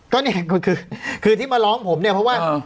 ก็เนี่ยคือที่มาร้องผมเนี่ยเพราะว่า